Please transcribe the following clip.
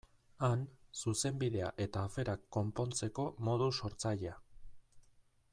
Han, Zuzenbidea eta aferak konpontzeko modu sortzailea.